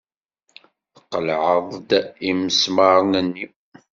Tqelɛeḍ-d imesmaṛen-nni.